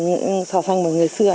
những sò phăng của người xưa